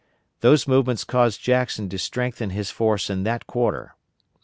Those movements caused Jackson to strengthen his force in that quarter.